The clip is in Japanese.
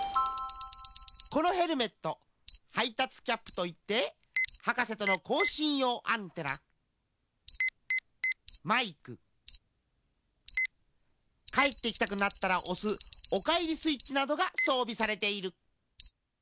このヘルメットはいたつキャップといってはかせとのこうしんようアンテナマイクかえってきたくなったらおすおかえりスイッチなどがそうびされている。